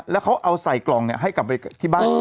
แล้วเขาเอาใส่กล่องให้กลับไปที่บ้าน